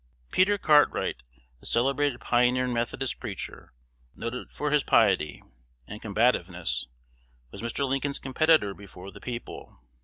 Peter Cartwright, the celebrated pioneer Methodist preacher, noted for his piety and combativeness, was Mr. Lincoln's competitor before the people.